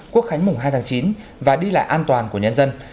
quốc khánh mùng hai tháng chín và đi lại an toàn của nhân dân